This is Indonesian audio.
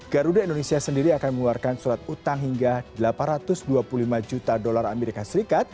garuda indonesia sendiri akan mengeluarkan surat utang hingga delapan ratus dua puluh lima juta dolar amerika serikat